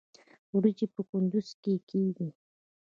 وریجې په کندز کې کیږي